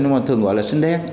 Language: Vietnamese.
nhưng mà thường gọi là sinh đen